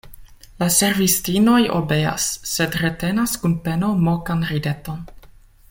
La servistinoj obeas, sed retenas kun peno mokan rideton.